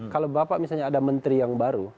kalau bapak misalnya ada menteri yang baru